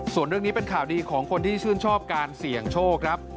ส่วนเรื่องนี้เป็นข่าวดีของคนที่ชื่นชอบการเสี่ยงโชคครับ